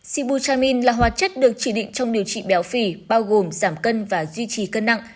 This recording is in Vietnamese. sibujamin là hoạt chất được chỉ định trong điều trị béo phì bao gồm giảm cân và duy trì cân nặng